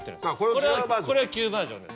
これは旧バージョンです。